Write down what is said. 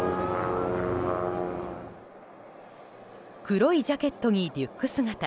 黒いジャケットにリュック姿。